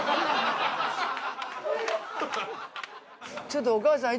ちょっとお母さん。